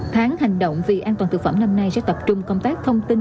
tháng hành động vì an toàn thực phẩm năm nay sẽ tập trung công tác thông tin